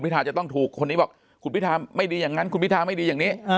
ทาจะต้องถูกคนนี้บอกคุณพิธาไม่ดีอย่างนั้นคุณพิธาไม่ดีอย่างนี้